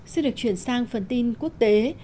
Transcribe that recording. xin được chuyển sang phần tin quốc tế